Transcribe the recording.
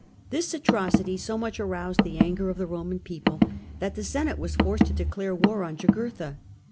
This atrocity so much aroused the anger of the Roman people that the Senate was forced to declare war on Jugurtha.